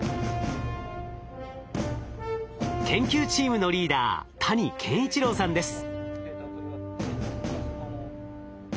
研究チームのリーダー谷健一郎さんです。